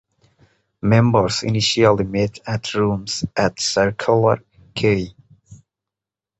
Members initially met at rooms at Circular Quay.